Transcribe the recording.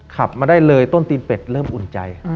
ขับมาได้เลยต้นตีนเป็ดเริ่มอุ่นใจ